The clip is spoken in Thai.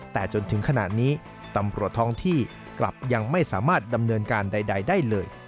แต่จนถึงขณะนี้ตำรวจท้องที่กลับยังไม่สามารถดำเนินการใดได้เลย